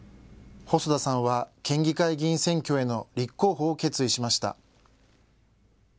細田さんは県議会議員選挙への立候補を決意しました。